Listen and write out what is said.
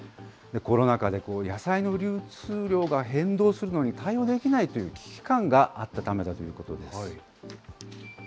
コロナ禍で野菜の流通量が変動するのに対応できないという危機感があったためだということです。